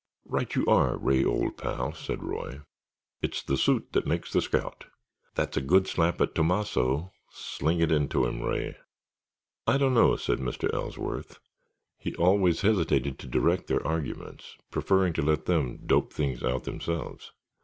"Right you are, Ray, old pal," said Roy. "It's the suit that makes the scout. That's a good slap at Tomasso; sling it into him, Ray!" "I don't know," said Mr. Ellsworth. (He always hesitated to direct their arguments, preferring to let them dope things out themselves.)